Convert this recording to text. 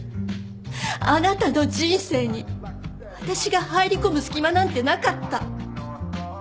あなたの人生に私が入り込む隙間なんてなかった